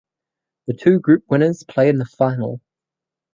The two group winners play in the final.